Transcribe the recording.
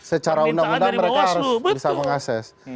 secara undang undang mereka harus bisa mengakses